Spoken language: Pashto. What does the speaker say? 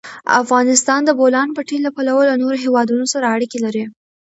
افغانستان د د بولان پټي له پلوه له نورو هېوادونو سره اړیکې لري.